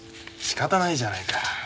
しかたないじゃないか。